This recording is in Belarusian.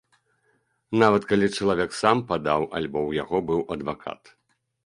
Нават калі чалавек сам падаў, альбо ў яго быў адвакат.